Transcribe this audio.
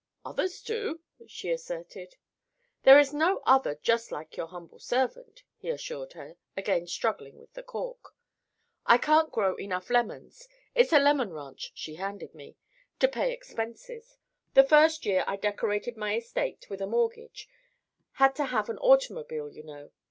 "Others do," she asserted. "There is no other just like your humble servant," he assured her, again struggling with the cork. "I can't grow enough lemons—it's a lemon ranch she handed me—to pay expenses. The first year I decorated my estate with a mortgage; had to have an automobile, you know.